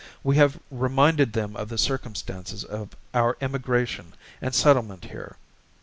We have reminded them of the circumstances of our emigration and settlement here.